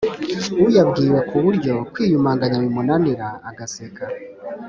uyabwiwe ku buryo kwiyumanganya bimunanira agaseka